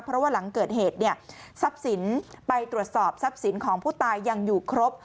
เพราะว่าหลังเกิดเหตุเนี่ยทรัพย์สินไปตรวจสอบทรัพย์สินของผู้ตายยังอยู่ครบ